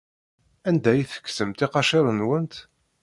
Anda ay tekksemt iqaciren-nwent?